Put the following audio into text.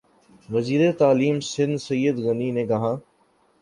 وزیر تعلیم سندھ سعید غنی نےکہا